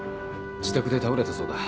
自宅で倒れたそうだ